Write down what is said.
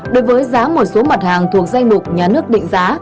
đối với giá một số mặt hàng thuộc danh mục nhà nước định giá